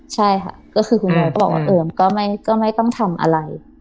ใช่ค่ะก็คือคุณยายก็บอกว่าก็ไม่ต้องทำอะไร